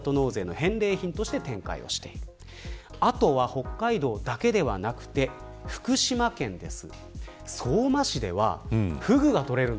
北海道だけではなくて福島県です。